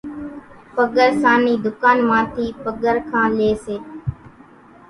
پڳرسان نِي ڌُڪان مان ٿي پگرکان لئي سي۔